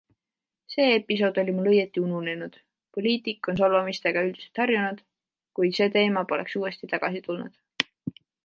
See episood oli mul õieti ununenud - poliitik on solvamistega üldiselt harjunud -, kui see teema poleks uuesti tagasi tulnud.